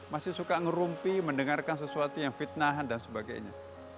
masih suka ngerumpi mendengarkan sesuatu yang fitnahan dan sebagainya